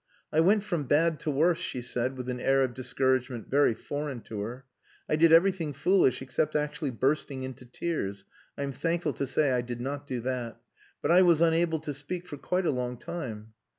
"I went from bad to worse," she said, with an air of discouragement very foreign to her. "I did everything foolish except actually bursting into tears. I am thankful to say I did not do that. But I was unable to speak for quite a long time."